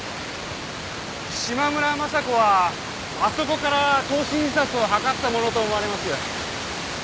島村昌子はあそこから投身自殺を図ったものと思われます。